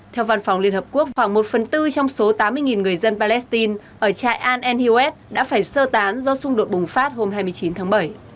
theo văn phòng liên hợp quốc khoảng một phần tư trong số tám mươi người dân palestine ở trại aliet đã phải sơ tán do xung đột bùng phát hôm hai mươi chín tháng bảy